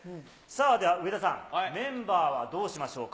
では上田さん、メンバーはどうしましょうか。